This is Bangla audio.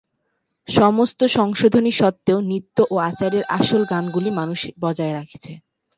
সমস্ত সংশোধনী সত্ত্বেও, নৃত্য ও আচারের আসল গানগুলি মানুষ বজায় রেখেছে।